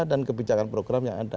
dan kebijakan program yang ada